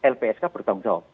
lpsk bertanggung jawab